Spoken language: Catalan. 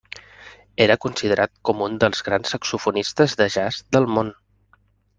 Era considerat com un dels grans saxofonistes de jazz del món.